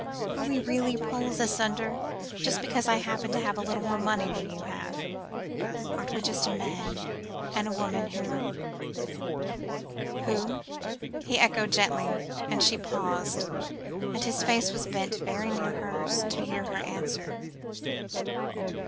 "Are we really 'poles asunder,' just because I happen to have a little more money than you have? Aren't we just a man and woman, who " "Who?" he echoed gently, as she paused, and his face was bent very near to hers, to hear her answer.